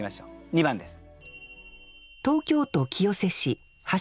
２番です。